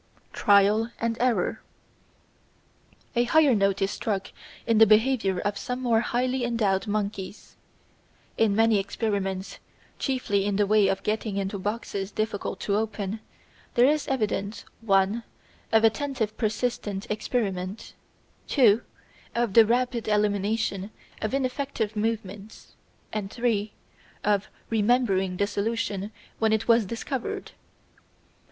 Trial and Error A higher note is struck in the behaviour of some more highly endowed monkeys. In many experiments, chiefly in the way of getting into boxes difficult to open, there is evidence (1) of attentive persistent experiment (2) of the rapid elimination of ineffective movements, and (3) of remembering the solution when it was discovered.